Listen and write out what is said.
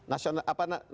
nasionalis agu prima itu